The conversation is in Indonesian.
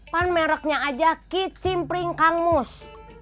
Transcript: kan mereknya aja kicimpring kang emus